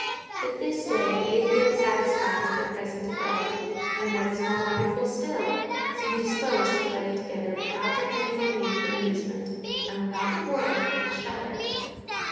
But this day they appeared satisfied with their present abode, and what is more wonderful still, seemed disposed to play together without depending on me for amusement, and without quarrelling with each other.